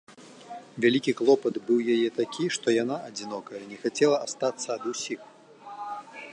Вялікі клопат быў яе такі, што яна, адзінокая, не хацела астацца ад усіх.